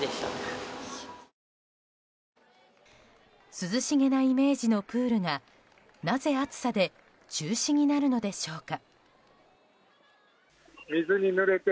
涼しげなイメージのプールがなぜ暑さで中止になるのでしょうか。